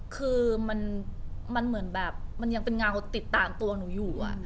คือมันยังเป็นเงาติดตามตัวหนูอยู่